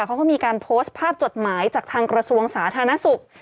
เขาก็มีการโพสต์ภาพจดหมายจากทางกระทรวงสาธารณสุข